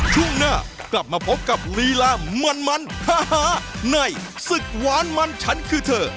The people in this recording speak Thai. ช่วงหน้ากลับมาพบกับลีลามันฮาในศึกหวานมันฉันคือเธอ